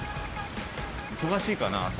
忙しいかな？